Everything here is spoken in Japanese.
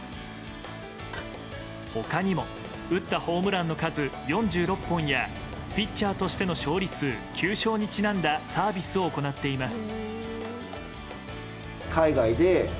他にも打ったホームランの数４６本やピッチャーとしての勝利数９勝にちなんだサービスを行っています。